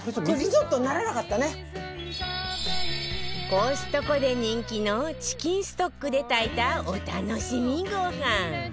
コストコで人気のチキンストックで炊いたお楽しみごはん